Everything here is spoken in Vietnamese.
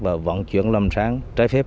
và vận chuyển lâm sản trái phép